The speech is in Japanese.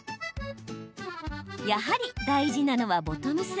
やはり、大事なのはボトムス。